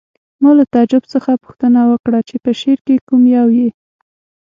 ما له تعجب څخه پوښتنه وکړه چې په شعر کې کوم یو یې